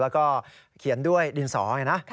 แล้วก็เขียนด้วยดินสอไงนะ